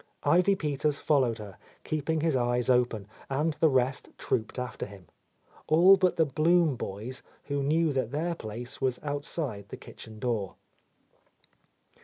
Ivy Peters followed her, keeping his eyes open, and the rest trooped after him, — all but the Blum boys, who knew that their place was outside the kitchen door.